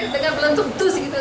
tengah belutuk dus gitu